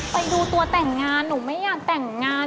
ไปดูตัวแต่งงานหนูไม่อยากแต่งงาน